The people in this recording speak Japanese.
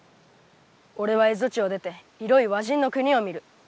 俺は蝦夷地を出て広い和人の国を見る。